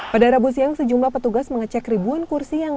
pada rabu siang sejumlah petugas mengecek ribuan kursi yang